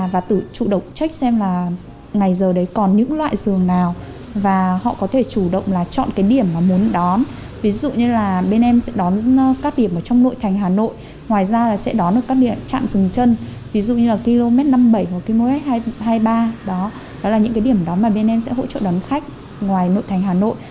ví dụ như là km năm mươi bảy và km hai mươi ba đó là những điểm đó mà bên em sẽ hỗ trợ đón khách ngoài nội thành hà nội